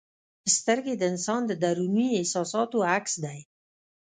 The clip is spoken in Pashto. سترګې د انسان د دروني احساساتو عکس دی.